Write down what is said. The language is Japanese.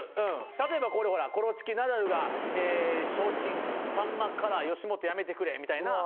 例えばこれほら『コロチキ・ナダルが消沈、さんまから「吉本辞めてくれ」』みたいな。